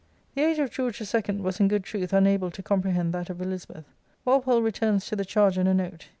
The age of George II. was, in good truth, unable to comprehend that of Elizabeth. Walpole returns to the charge in a note.